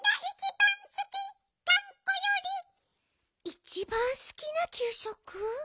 いちばんすきなきゅうしょく？